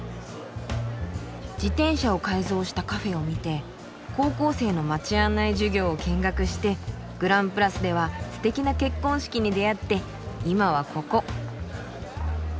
自転車を改造したカフェを見て高校生の街案内授業を見学してグランプラスではすてきな結婚式に出会って今はここ。